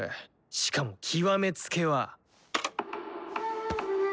しかも極め付けは。